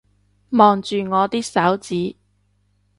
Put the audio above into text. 望住我啲手指